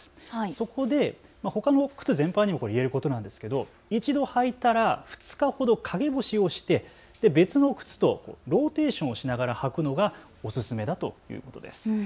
そこでほかの靴全般にも言えることなんですけど１度履いたら２日ほど陰干しをして別の靴とローテーションしながら履くのがお薦めだということです。